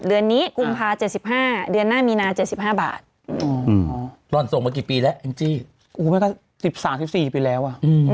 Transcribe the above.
อืมส่งมานานแล้ว